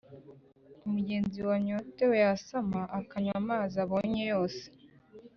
umugenzi wanyotewe yasama, akanywa amazi abonye yose,